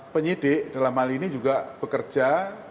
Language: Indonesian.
penyidik dalam hal ini juga bekerja